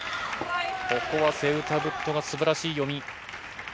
ここはセウタブットがすばらしい読み。